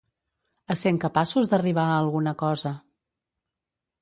Essent capaços d'arribar a alguna cosa.